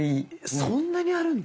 そんなにあるんだ！